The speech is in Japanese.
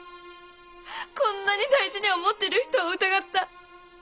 こんなに大事に思ってる人を疑った。